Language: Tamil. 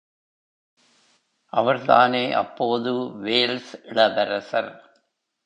அவர்தானே அப்போது வேல்ஸ் இளவரசர்.